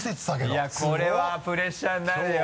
いやこれはプレッシャーになるよ